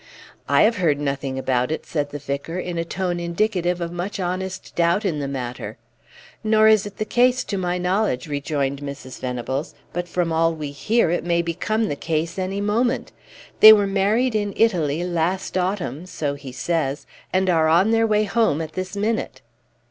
"I have heard nothing about it," said the vicar, in a tone indicative of much honest doubt in the matter. "Nor is it the case, to my knowledge," rejoined Mrs. Venables; "but from all we hear it may become the case any moment. They were married in Italy last autumn so he says and are on their way home at this minute."